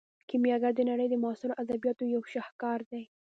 کیمیاګر د نړۍ د معاصرو ادبیاتو یو شاهکار دی.